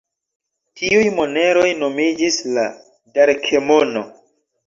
Tiuj moneroj nomiĝis la darkemono.